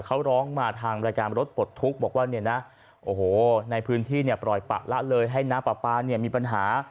เขาร้องมาทางรายการรถปลดทุกข์บอกว่าโอ้โหในพื้นที่ปล่อยปะละเลยให้น้าปะป๊ามีปัญหา